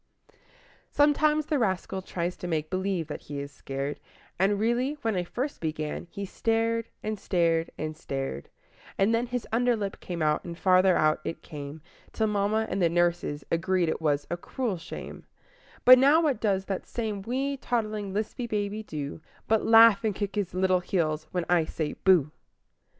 Sometimes the rascal tries to make believe that he is scared, And really, when I first began, he stared, and stared, and stared; And then his under lip came out and farther out it came, Till mamma and the nurse agreed it was a "cruel shame" But now what does that same wee, toddling, lisping baby do But laugh and kick his little heels when I say "Booh!"